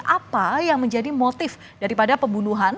apa yang menjadi motif daripada pembunuhan